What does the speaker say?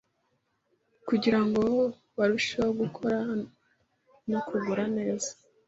kugira ngo burusheho gukora no gukura neza.